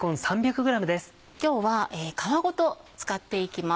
今日は皮ごと使っていきます。